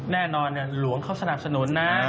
แน่นอนหลวงเขาสนับสนุนนะ